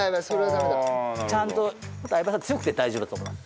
もっと相葉さん強くて大丈夫だと思います。